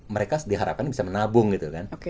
mereka diharapkan bisa menabung gitu kan